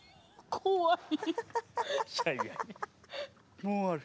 怖い！